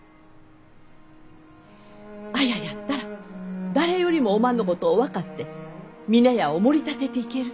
綾やったら誰よりもおまんのことを分かって峰屋をもり立てていける。